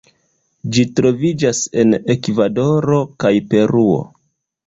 Ĝi troviĝas en Ekvadoro kaj Peruo.